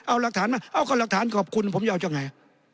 เอาหลักฐานมาเอาก็หลักฐานขอบคุณผมจะเอายังไง